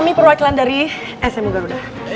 kami perwakilan dari smu garuda